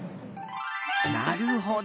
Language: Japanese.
なるほど。